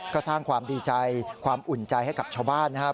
ก็สร้างความดีใจความอุ่นใจให้กับชาวบ้านนะครับ